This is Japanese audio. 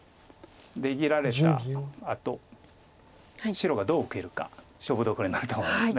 出切られたあと白がどう受けるか勝負どころになると思います。